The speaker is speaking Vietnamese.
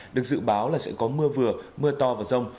được dự báo là sẽ có mưa vừa mưa to và rông